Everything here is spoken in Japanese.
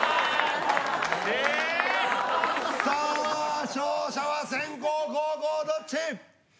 さあ勝者は先攻後攻どっち？